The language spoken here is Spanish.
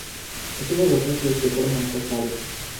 Es uno de los núcleos que forman Costa Adeje.